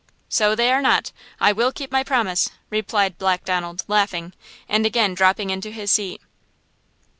"So they are not! I will keep my promise," replied Black Donald, laughing, and again dropping into his seat.